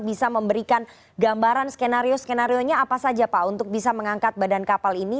bisa memberikan gambaran skenario skenario nya apa saja pak untuk bisa mengangkat badan kapal ini